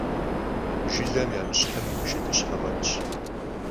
Jjılem yamışhım şşıdışhe f'etş.